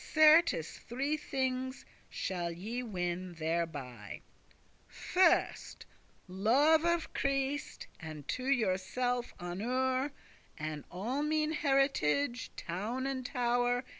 Certes three thinges shall ye win thereby: First, love of Christ, and to yourself honour, And all mine heritage, town and tow'r.